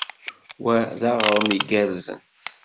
Wa d aɣrem igerrzen.